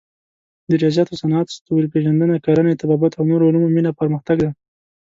د ریاضیاتو، صنعت، ستوري پېژندنې، کرنې، طبابت او نورو علومو مینه پرمختګ دی.